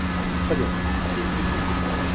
Très bien !… et qu’est-ce qu’il faut faire ?